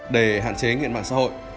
để hạn chế nghiện mạng xã hội